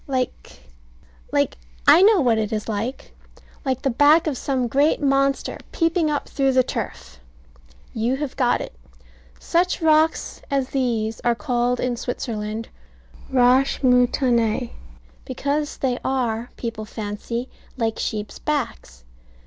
Like like I know what it is like. Like the back of some great monster peeping up through the turf. You have got it. Such rocks as these are called in Switzerland "roches moutonnees," because they are, people fancy, like sheep's backs.